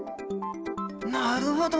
なるほど！